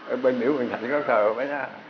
ở bên miễu bình thạnh có sờ